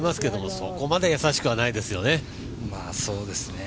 そこまで優しくはないですよね。